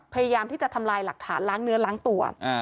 พยายามที่จะทำลายหลักฐานล้างเนื้อล้างตัว